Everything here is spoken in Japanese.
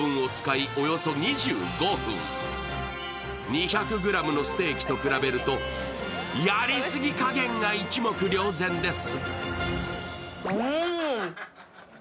２００ｇのステーキと比べるとやりすぎ加減が一目瞭然です。